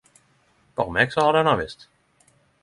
Berre meg som har denne visst..!?